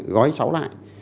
gói cháu lại